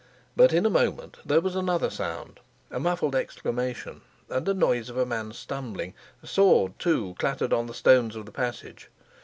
But in a moment there was another sound a muffled exclamation, and a noise of a man stumbling; a sword, too, clattered on the stones of the passage.